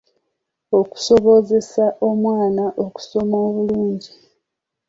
Okusobozesa omwana okusoma obulungi.